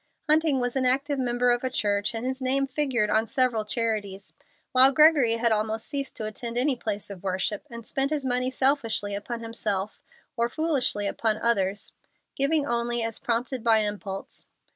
Hunting was an active member of a church, and his name figured on several charities, while Gregory had almost ceased to attend any place of worship, and spent his money selfishly upon himself, or foolishly upon others, giving only as prompted by impulse.